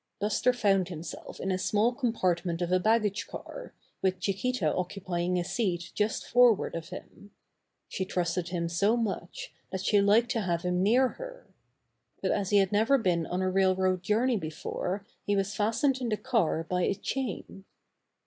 Buster found himself in a small compart ment of a baggage car, with Chiquita occupy ing a seat just forward of him. She trusted him so much that she liked to have him near her. But as he had never been on a railroad journey before he was fastened in the car by a chain.